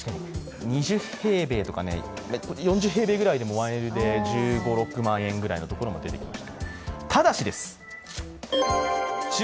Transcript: ２０平米とか４０平米で１Ｌで１５１６万円のところも出てきました。